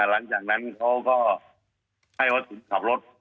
หลังจากนั้นเขาก็ให้วัตถุขับรถ